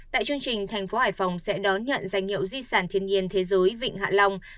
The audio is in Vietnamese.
tại chương trình thành phố hải phòng sẽ đón nhận danh hiệu di sản thiên nhiên thế giới vịnh hạ long